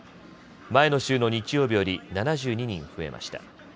前の週の日曜日より７２人増えました。